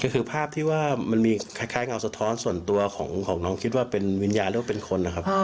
คือภาพที่ว่ามันมีคล้ายเงาสะท้อนส่วนตัวของน้องคิดว่าเป็นวิญญาณหรือว่าเป็นคนนะครับ